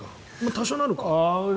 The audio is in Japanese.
多少なるか。